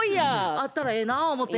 あったらええな思て。